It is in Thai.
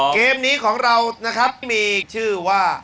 เกมนี้ของเรานะครับมีชื่อว่า